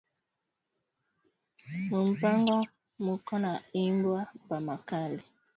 Mu mpango muko ba imbwa ba makali